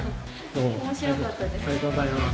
面白かったです。